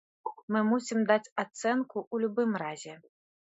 Мы мусім даць ацэнку ў любым разе.